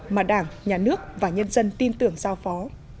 mà đảng nhà nước và nhân dân tin tưởng giao phó